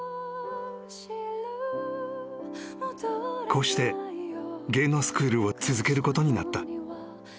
［こうして芸能スクールを続けることになった］